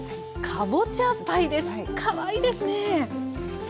かわいいですね。